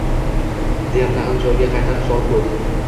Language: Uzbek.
deya tag'in joyiga qaytarib solib ko'ydi.